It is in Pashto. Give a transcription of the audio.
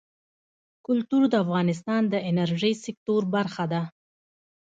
کلتور د افغانستان د انرژۍ سکتور برخه ده.